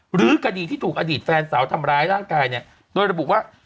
หรือคดีที่ถูกอดีตแฟนสาวทำร้ายร่างกายเนี่ยโดยระบุว่า